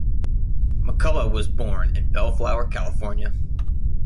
McCullough was born in Bellflower, California.